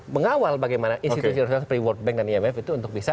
mengawal bagaimana institusi universitas seperti world bank dan imf itu untuk bisa